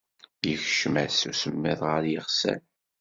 Yekcem-as usemmiḍ ɣer yiɣsan.